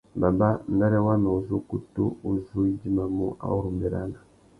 Baba, mbêrê wamê uzu ukutu u zu u idjimamú a ru mʼbérana.